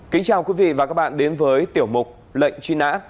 kính chào quý vị và các bạn đến với tiểu mục lệnh truy nã